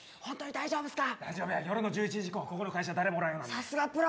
大丈夫や夜の１１時以降ここの会社誰もおらんようなる